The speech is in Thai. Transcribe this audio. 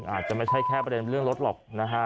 อาจจะไม่ใช่แค่ประเด็นเรื่องรถหรอกนะฮะ